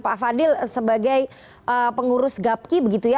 pak fadil sebagai pengurus gapki begitu ya